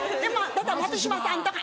だから松嶋さんとか。